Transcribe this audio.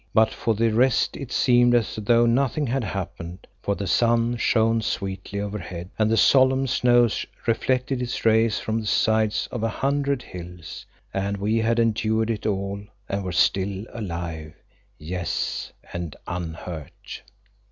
But for the rest, it seemed as though nothing had happened, for the sun shone sweetly overhead and the solemn snows reflected its rays from the sides of a hundred hills. And we had endured it all and were still alive; yes, and unhurt.